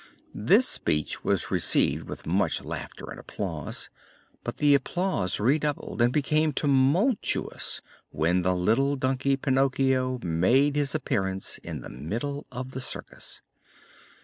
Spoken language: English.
This speech was received with much laughter and applause, but the applause redoubled and became tumultuous when the little donkey Pinocchio made his appearance in the middle of the circus.